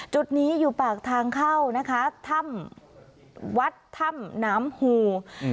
จุดนี้อยู่ปากทางเข้านะคะถ้ำวัดถ้ำน้ำหูอืม